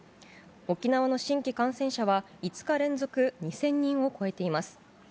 沖縄の新規感染者は５日連続２０００人を超えています。